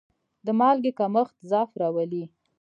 د مالګې کمښت ضعف راولي.